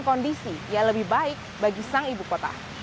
kondisi yang lebih baik bagi sang ibukota